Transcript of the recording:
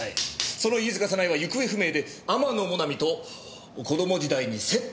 その飯塚早苗は行方不明で天野もなみと子供時代に接点があった。